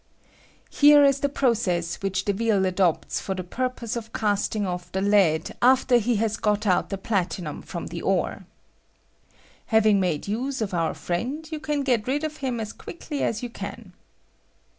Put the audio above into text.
Here is the process which Deville adopts for i J the purpose of casting off the lead after he has got out the platinum from the ore. (Having made use of your friend, you get rid of him as quickly aa you can.)